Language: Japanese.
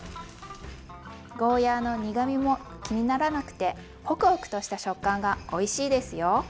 ゴーヤーの苦みも気にならなくてホクホクとした食感がおいしいですよ。